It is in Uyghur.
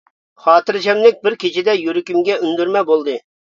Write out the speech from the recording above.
خاتىرجەملىك بىر كېچىدە يۈرىكىمگە ئۈندۈرمە بولدى.